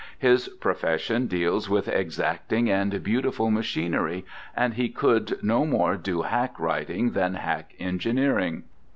His profession deals with exacting and beautiful machinery, and he could no more do hack writing than hack engineering.